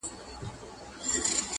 هره ورځ به وو دهقان ته پټ په غار کي،